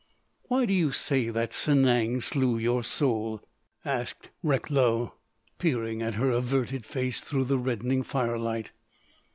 "Why do you say that Sanang slew your soul?" asked Recklow, peering at her averted face through the reddening firelight.